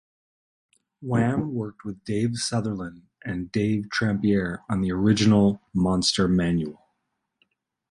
Wham worked with Dave Sutherland and Dave Trampier on the original "Monster Manual".